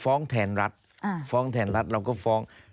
ฟ้องแทนรัฐฟ้องแทนรัฐเราก็ฟ้อง